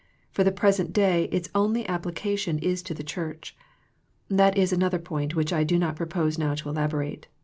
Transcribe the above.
For the present day its only application is to the Church. That is another point which I do not propose now to elaborate.